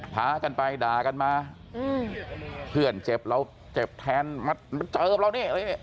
พากันไปด่ากันมาอืมเพื่อนเจ็บเราเจ็บแทนมาเจอบเรานี่